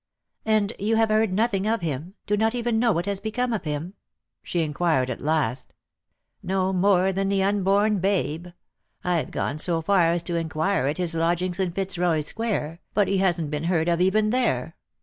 "And you have heard nothing of him — do not even know what has become of him ?" she inquired at last. " No more than the unborn babe. I've gone so far as to inquire at his lodgings in Fitzroy square, but he hasn't been heard of even there.